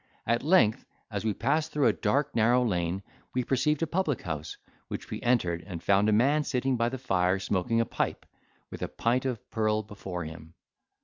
At length, as we passed through a dark narrow lane, we perceived a public house, which we entered, and found a man sitting by the fire, smoking a pipe, with a pint of purl before him.